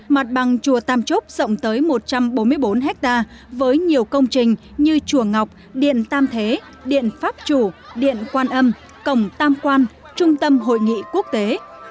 mặt bằng chùa tam trúc rộng tới một trăm bốn mươi bốn hectare với nhiều công trình như chùa ngọc điện tam thế điện pháp chủ điện quan âm cổng tam quan trung tâm hội nghị quốc tế